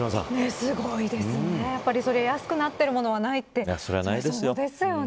すごいですね。安くなっているものはないってそうですよね。